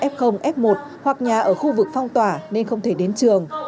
f f một hoặc nhà ở khu vực phong tỏa nên không thể đến trường